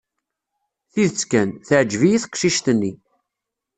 Tidet kan, teɛǧeb-iyi teqcict-nni.